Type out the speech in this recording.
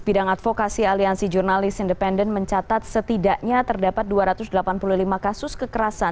bidang advokasi aliansi jurnalis independen mencatat setidaknya terdapat dua ratus delapan puluh lima kasus kekerasan